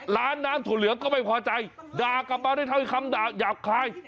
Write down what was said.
ร้านน้ำถั่วเหลืองก็ไม่พอใจด่ากลับมาด้วยคำด่าหยาบคาย